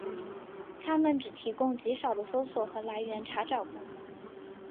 它们只提供极少的搜索和来源查找功能。